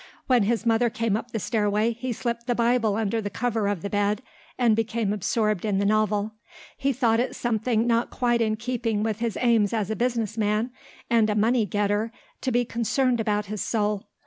When his mother came up the stairway he slipped the Bible under the cover of the bed and became absorbed in the novel. He thought it something not quite in keeping with his aims as a business man and a money getter to be concerned about his soul.